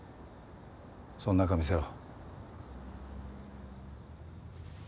そん中見せろ。